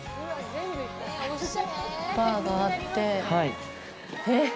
バーがあってえ！？